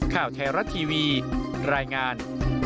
ข่าวไทยรัฐทีวีรายงาน